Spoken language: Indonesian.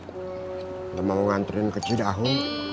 udah mau ngantrin ke cidaho